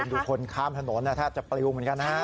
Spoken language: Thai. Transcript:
ดูคนข้ามถนนแทบจะปลิวเหมือนกันนะฮะ